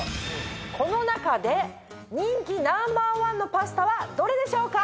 この中で人気ナンバーワンのパスタはどれでしょうか？